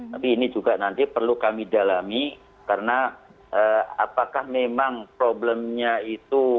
tapi ini juga nanti perlu kami dalami karena apakah memang problemnya itu